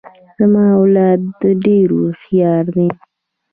زما اولاد ډیر هوښیار دي.